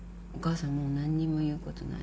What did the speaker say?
もう何にも言うことない。